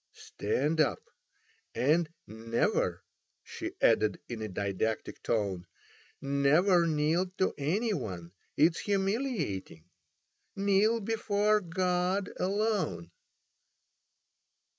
"Stand up! And never," she added in a didactic tone, "never kneel to any one: it is humiliating. Kneel before God alone."